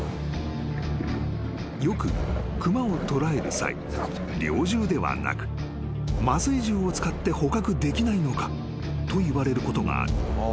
［よく熊を捕らえる際猟銃ではなく麻酔銃を使って捕獲できないのかと言われることがある］